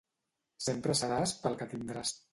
Sempre seràs pel que tindràs.